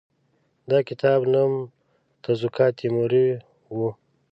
د کتاب نوم تزوکات تیموري وو.